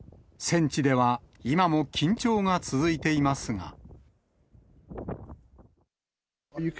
戦地では、今も緊張が続いていますが。